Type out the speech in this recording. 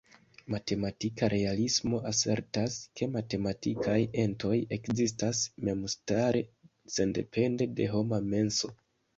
Matematika realismo asertas, ke matematikaj entoj ekzistas memstare, sendepende de homa menso.